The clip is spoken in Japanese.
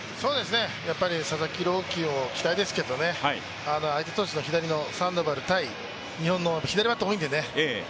やっぱり佐々木朗希に期待ですけど、相手投手の左のサンドバル対日本選手左バッター多いですからね